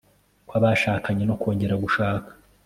kw'abashakanye no kongera gushaka